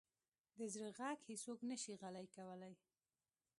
د زړه ږغ هیڅوک نه شي غلی کولی.